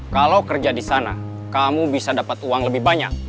kalau kerja di sana kamu bisa dapat uang lebih banyak